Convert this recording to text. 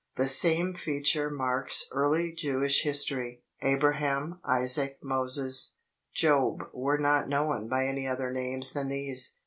The same feature marks early Jewish history. Abraham, Isaac, Moses, Job were not known by any other names than these.